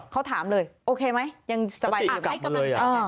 เขาถามเลยโอเคไหมยังสบายกับเรา